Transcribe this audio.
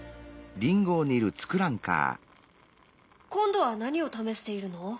今度は何を試しているの？